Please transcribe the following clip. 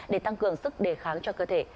để tăng cường sức đề kháng cho cơ thể